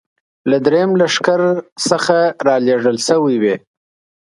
له درېیم لښکر نه را لېږل شوې وې.